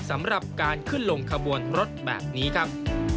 สำหรับการขึ้นลงขบวนรถแบบนี้ครับ